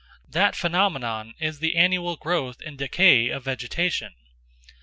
That phenomenon is the annual growth and decay of vegetation.